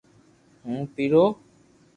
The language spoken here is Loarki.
ھون پيرو